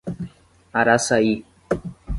Araçaí